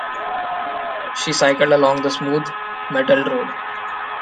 She cycled along the smooth, metalled road